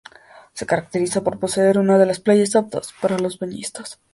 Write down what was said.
Se caracteriza por poseer una de las playas aptas para los bañistas.